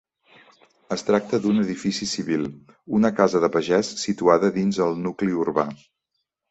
Es tracta d'un edifici civil, una casa de pagès situada dins el nucli urbà.